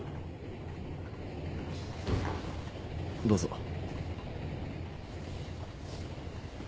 どうぞ。